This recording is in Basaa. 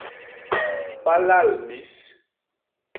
Balal mis.